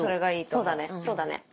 そうだねそうだね。